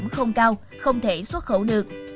không cao không thể xuất khẩu được